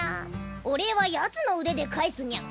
お礼はヤツの腕で返すニャ。